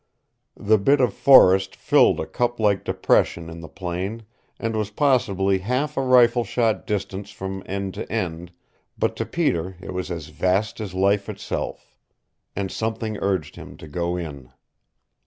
The bit of forest filled a cup like depression in the plain, and was possibly half a rifle shot distance from end to end but to Peter it was as vast as life itself. And something urged him to go in.